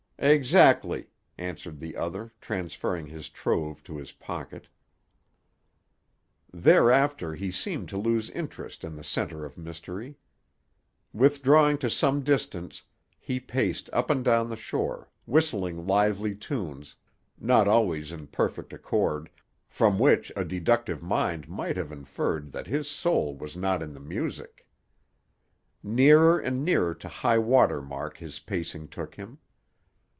"Exactly," answered the other, transferring his trove to his pocket. Thereafter he seemed to lose interest in the center of mystery. Withdrawing to some distance, he paced up and down the shore, whistling lively tunes, not always in perfect accord, from which a deductive mind might have inferred that his soul was not in the music. [Illustration: Suppose we lift this grating.] Nearer and nearer to high water mark his pacing took him.